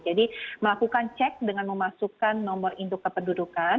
jadi melakukan cek dengan memasukkan nomor induk kependudukan